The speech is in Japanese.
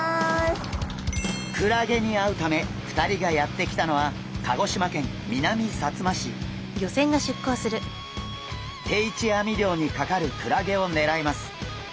クラゲに会うため２人がやって来たのは定置網漁にかかるクラゲをねらいます。